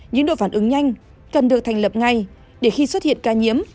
những đội phản ứng nhanh cần được thành lập ngay để khi xuất hiện ca nhiễm